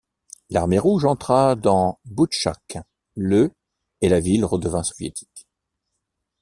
L'Armée rouge entra dans Boutchatch le et la ville redevint soviétique.